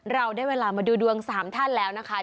เราได้เวลามาดูดวง๓ท่านแล้วนะคะ